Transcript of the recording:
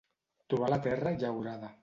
Trobar la terra llaurada.